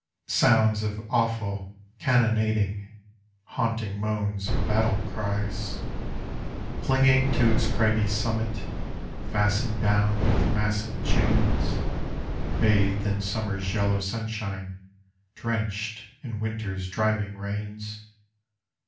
Sounds of awful cannonading, haunting moans and battle cries. COPALIS. 37 Clinging to its cragg}^ summit, fastened down witH massive chains, Bathed in Summer's yellow sunshine, drenched in Winter's driving rains.